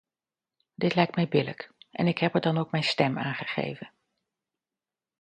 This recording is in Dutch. Dit lijkt mij billijk, en ik heb er dan ook mijn stem aan gegeven.